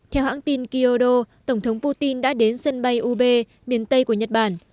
theo hãng tin kyodo tổng thống putin đã đến sân bay ube miền tây của nhật bản